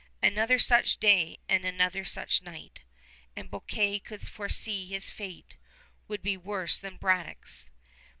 Another such day and another such night, and Bouquet could foresee his fate would be worse than Braddock's.